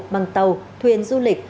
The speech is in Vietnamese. bằng tàu thuyền du lịch